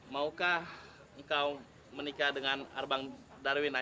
maukah engkau menikah dengan abang darwin ayah